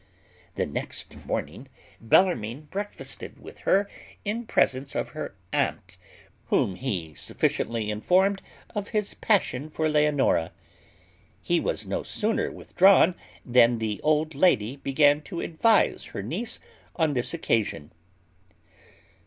The next morning Bellarmine breakfasted with her in presence of her aunt, whom he sufficiently informed of his passion for Leonora. He was no sooner withdrawn than the old lady began to advise her niece on this occasion.